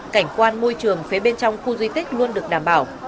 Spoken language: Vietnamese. cảnh quan môi trường phía bên trong khu di tích luôn được đảm bảo